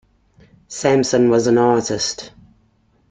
Sampson was an artist.